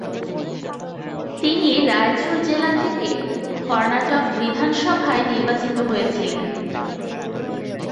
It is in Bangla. তিনি রায়চুর জেলা থেকে কর্ণাটক বিধানসভায় নির্বাচিত হয়েছিলেন।